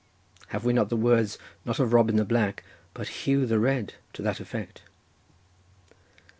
Have we not the words, not of Robin the Black, but Huw the Red to that effect?